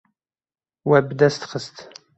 We bi dest xist.